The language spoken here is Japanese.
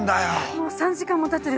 もう３時間もたってる。